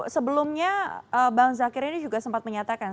sebelumnya bang zakir ini juga sempat menyatakan